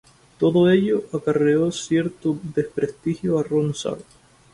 Todo ello acarreó cierto desprestigio a Ronsard.